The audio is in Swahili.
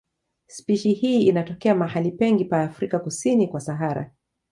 Spishi hii inatokea mahali pengi pa Afrika kusini kwa Sahara.